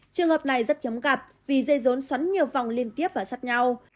trường hợp này rất hiếm gặp vì dây rốn xoắn nhiều vòng liên tiếp và sắt nhau